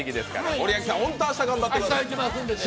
森脇さん、明日頑張ってください！